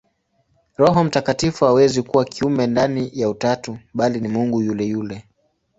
Roho Mtakatifu hawezi kuwa kiumbe ndani ya Utatu, bali ni Mungu yule yule.